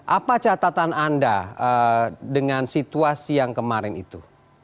apa catatan anda dengan situasi yang kemarin itu